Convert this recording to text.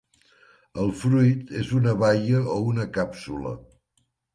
El fruit és una baia o una càpsula.